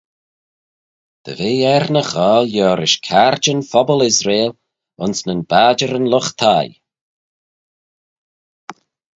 Dy ve er ny ghoaill liorish Caarjyn Phobble Israel, ayns nyn badjeryn lught-thie.